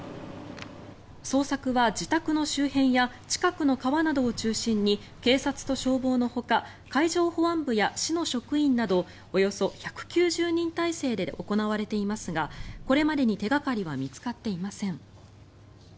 捜索は自宅の周辺や近くの川などを中心に警察と消防のほか海上保安部や市の職員などおよそ１９０人態勢で行われていますがこれまでに手掛かりは見つかっていません。